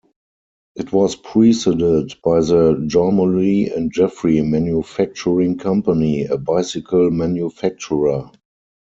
It was preceded by the Gormully and Jeffery Manufacturing Company, a bicycle manufacturer.